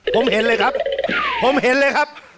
ผมเห็นเลยครับผมเห็นเลยครับ